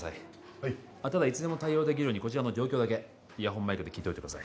はいただいつでも対応できるようにこちらの状況だけイヤホンマイクで聞いといてください